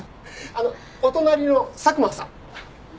お隣の佐久間さん。